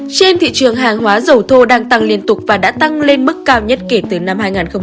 trên thị trường hàng hóa dầu thô đang tăng liên tục và đã tăng lên mức cao nhất kể từ năm hai nghìn một mươi